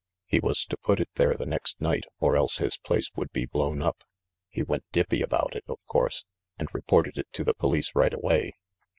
He was to put it there the next night, or else his place would be blown up. He went dippy about it, of course, and re ported it to the police right away.